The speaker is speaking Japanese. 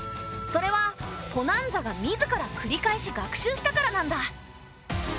それはポナンザが自らくり返し学習したからなんだ。